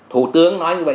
thủ tướng nói như vậy